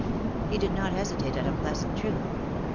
He did not hesitate at unpleasant truth.